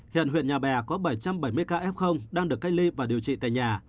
hiện huyện nhà bè có bảy trăm bảy mươi ca f đang được cách ly và điều trị tại nhà